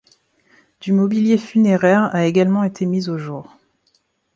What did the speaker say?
Du mobilier funéraire a également été mis au jour.